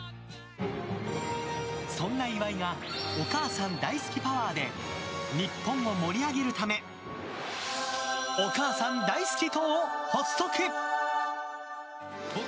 そんな岩井がお母さん大好きパワーで日本を盛り上げるためお母さん大好き党を発足。